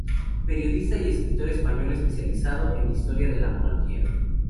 Periodista y escritor español especializado en historia de la Monarquía.